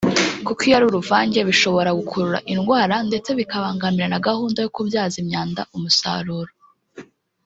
kuko iyo ari uruvange bishobora gukurura indwara ndetse bikabangamira na gahunda yo kubyaza imyanda umusaruro